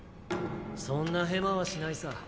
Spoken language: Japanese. そんなヘマはしないさ。